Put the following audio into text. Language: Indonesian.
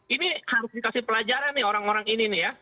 ini harus dikasih pelajaran nih orang orang ini nih ya